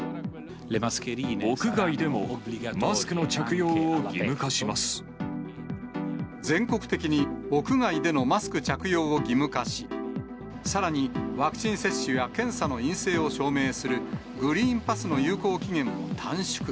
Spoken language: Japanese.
屋外でもマスクの着用を義務全国的に屋外でのマスク着用を義務化し、さらにワクチン接種や、検査の陰性を証明するグリーンパスの有効期限も短縮。